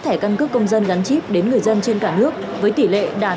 thẻ căn cước công dân gắn chip đến người dân trên cả nước với tỷ lệ đạt chín mươi